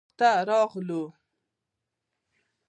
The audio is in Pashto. اطاق ته راغلو.